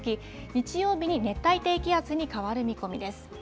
日曜日に熱帯低気圧に変わる見込みです。